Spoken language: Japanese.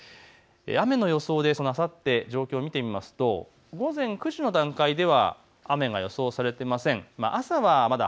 雨の状況、あさって見てみますと午前９時の段階では雨が予想されていません。